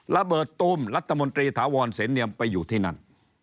ระเบิดตูมรัฐมนตรีถาวรเสนเนียมไปอยู่ที่นั่น